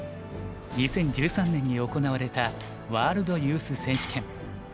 ２０１３年に行われたワールドユース選手権。